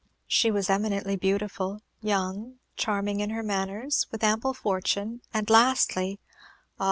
She was eminently beautiful, young, charming in her manners, with ample fortune; and, lastly, ah!